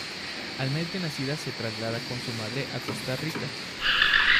Al mes de nacida se traslada con su madre a Costa Rica.